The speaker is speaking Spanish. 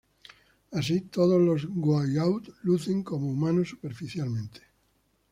Así, todos lo Goa'uld lucen como humanos superficialmente.